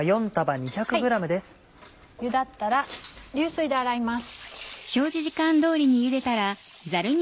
ゆだったら流水で洗います。